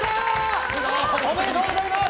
おめでとうございます。